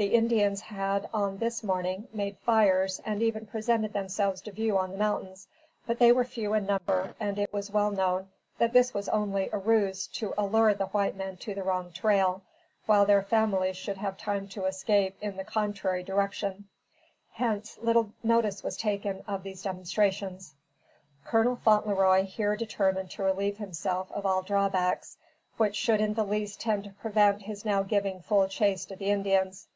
The Indians had, on this morning, made fires, and even presented themselves to view on the mountains, but they were few in number, and it was well known that this was only a ruse to allure the white men to the wrong trail, while their families should have time to escape in the contrary direction; hence, but little notice was taken of these demonstrations. Col. Fauntleroy here determined to relieve himself of all drawbacks which should in the least tend to prevent his now giving full chase to the Indians.